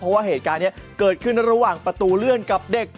เพราะว่าเหตุการณ์นี้เกิดขึ้นระหว่างประตูเลื่อนกับเด็ก